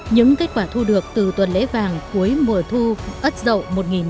những kết quả thu được từ tuần lễ vàng cuối mùa thu ất dậu một nghìn chín trăm tám mươi